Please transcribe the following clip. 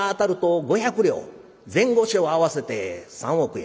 前後賞合わせて三億円」。